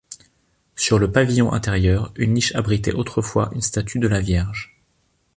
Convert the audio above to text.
Sur le pavillon intérieur, une niche abritait autrefois une statue de la Vierge.